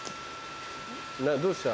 どうした？